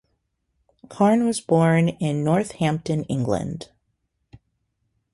Carne was born in Northampton, England.